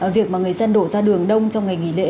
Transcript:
việc mà người dân đổ ra đường đông trong ngày nghỉ lễ